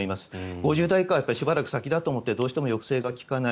５０代以下はしばらく先だと思ってどうしても抑制が利かない。